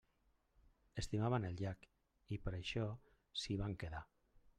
Estimaven el llac, i per això s'hi van quedar.